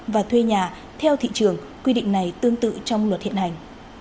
và thuê nhà theo thị trường quy định này tương tự trong luật hiện hành